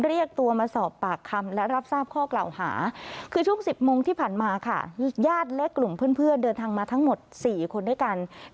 เรียกตัวมาสอบปากคำละรับทราบข้อกล่าวหา